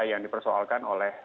yang dipersoalkan oleh